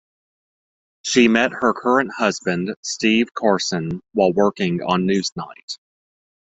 She met her current husband, Steve Carson, while working on "Newsnight".